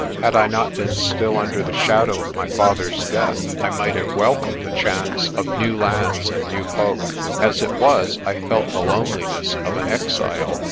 Had I not been still under the shadow of my father's death I might have welcomed the chance of new lands and new folk. As it was, I felt the loneliness of an exile.